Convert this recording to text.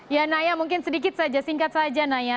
ya naya mungkin sedikit saja singkat saja naya